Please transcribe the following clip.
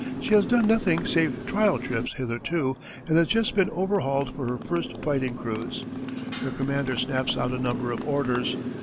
She has done nothing save trial trips hitherto, and has just been overhauled for her first fighting cruise. Her commander snaps out a number of orders.